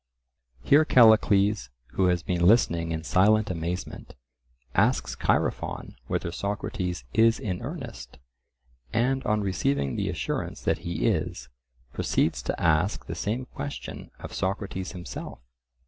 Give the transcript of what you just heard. Here Callicles, who has been listening in silent amazement, asks Chaerephon whether Socrates is in earnest, and on receiving the assurance that he is, proceeds to ask the same question of Socrates himself.